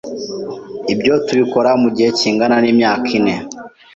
ibyo tubikora mu gihe kingana n’imyaka ine,